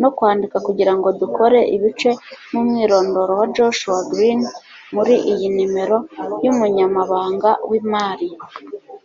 no kwandika kugirango dukore ibice nkumwirondoro wa joshua green muri iyi nimero y'umunyamabanga w'imari